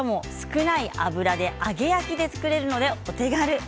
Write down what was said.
しかも少ない油で揚げ焼きで作れるのでお手軽。